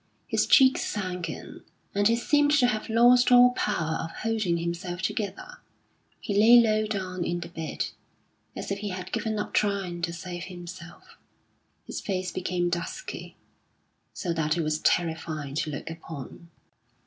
His cheeks sank in, and he seemed to have lost all power of holding himself together; he lay low down in the bed, as if he had given up trying to save himself. His face became dusky, so that it was terrifying to look upon.